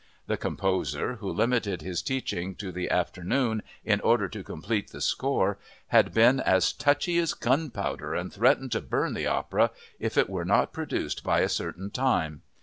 The composer, who limited his teaching to the afternoon in order to complete the score, had been "as touchy as gunpowder and threatened to burn the opera" if it were not produced by a certain time.